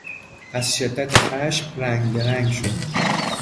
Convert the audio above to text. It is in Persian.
از شدت خشم رنگ بهرنگ شد.